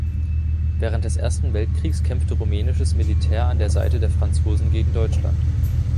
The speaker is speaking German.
Während des Ersten Weltkriegs kämpfte rumänisches Militär an der Seite der Franzosen gegen Deutschland.